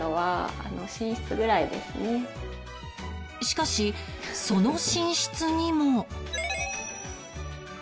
しかしその寝室にも